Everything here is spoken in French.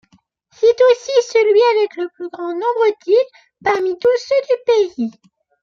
C'est aussi celui avec le plus grand nombre d'îles parmi tous ceux du pays.